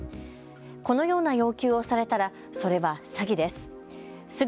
このような要求をされたらそれは詐欺です。